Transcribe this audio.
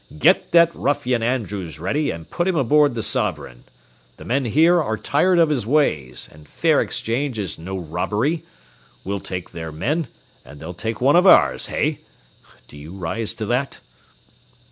"Get that ruffian Andrews ready and put him aboard the Sovereign. The men here are tired of his ways, and fair exchange is no robbery. We'll take their men, they'll take one of ours, hey? Do you rise to that?"